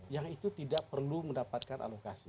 yang itu tidak perlu mendapatkan alokasi